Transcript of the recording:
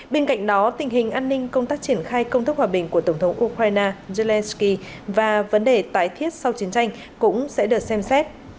bên cạnh đó tình hình an ninh công tác triển khai công thức hòa bình của tổng thống ukraine zelensky và vấn đề tái thiết sau chiến tranh cũng sẽ được xem xét